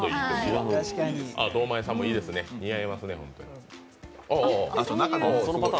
堂前さんもいいですね似合いますね。